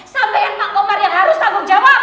sampai yang pak komar yang harus tanggung jawab